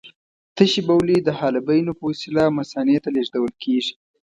تشې بولې د حالبیونو په وسیله مثانې ته لېږدول کېږي.